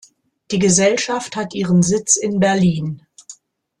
Die Gesellschaft hat ihren Sitz in Berlin.